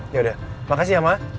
yaudah makasih ya ma